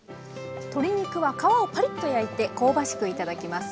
鶏肉は皮をパリッと焼いて香ばしく頂きます。